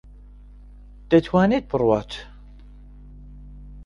دەتوانێت بڕوات.